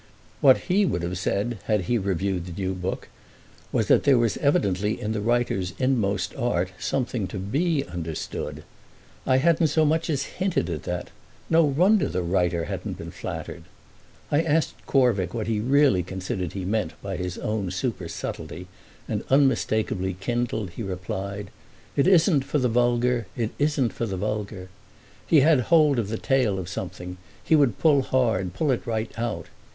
What he would have said, had he reviewed the new book, was that there was evidently in the writer's inmost art something to be understood. I hadn't so much as hinted at that: no wonder the writer hadn't been flattered! I asked Corvick what he really considered he meant by his own supersubtlety, and, unmistakeably kindled, he replied: "It isn't for the vulgar—it isn't for the vulgar!" He had hold of the tail of something; he would pull hard, pull it right out.